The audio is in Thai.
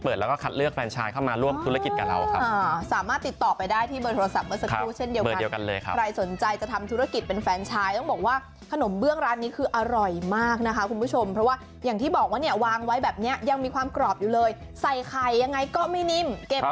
แล้วก็คัดเลือกแฟนชายเข้ามาร่วมธุรกิจกับเราครับสามารถติดต่อไปได้ที่เบอร์โทรศัพท์เมื่อสักครู่เช่นเดียวกันเลยครับใครสนใจจะทำธุรกิจเป็นแฟนชายต้องบอกว่าขนมเบื้องร้านนี้คืออร่อยมากนะคะคุณผู้ชมเพราะว่าอย่างที่บอกว่าเนี่ยวางไว้แบบเนี้ยยังมีความกรอบอยู่เลยใส่ไข่ยังไงก็ไม่นิ่มเก็บ